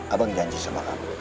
abang janji sama kamu